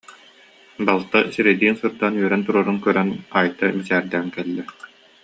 Балта сирэйдиин сырдаан үөрэн турарын көрөн, Айта мичээрдээн кэллэ